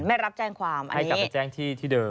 ไม่รับแจ้งความให้กลับไปแจ้งที่ที่เดิม